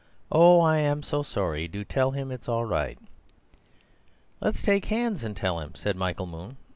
"Oh, I'm so sorry! Oh, do tell him it's all right!" "Let's take hands and tell him," said Michael Moon.